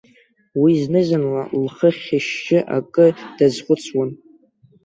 Уи зны-зынла лхы хьышьшьы акы дазхәыцуан.